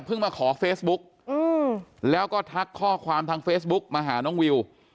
มาขอเฟซบุ๊กแล้วก็ทักข้อความทางเฟซบุ๊กมาหาน้องวิว